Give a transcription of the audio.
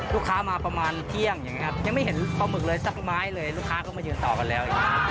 ลูกค้ามาประมาณเที่ยงอย่างนี้ครับยังไม่เห็นปลาหมึกเลยสักไม้เลยลูกค้าก็มายืนต่อกันแล้ว